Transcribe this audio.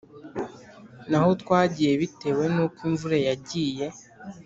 naho twagiye bitewe n'uko imvura yagiye